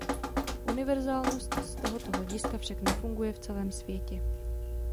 Univerzálnost z tohoto hlediska však nefunguje v celém světě.